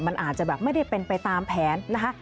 มันอาจจะแบบไม่ได้เป็นไปตามแผนนะคะ